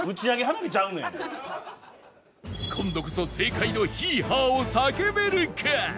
今度こそ正解のヒーハーを叫べるか？